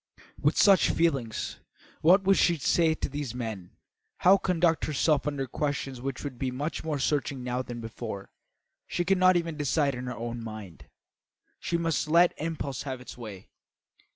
With such feelings, what should she say to these men; how conduct herself under questions which would be much more searching now than before? She could not even decide in her own mind. She must let impulse have its way.